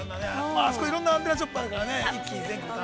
あそこいろんなアンテナショップがあるからぜひ。